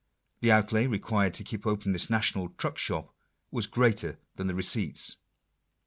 The outlay required to keep open this national truck shop was greater than the receipts.